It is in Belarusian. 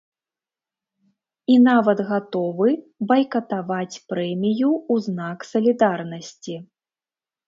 І нават гатовы байкатаваць прэмію ў знак салідарнасці.